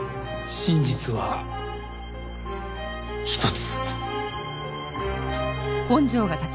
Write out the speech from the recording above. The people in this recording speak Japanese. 真実は一つ。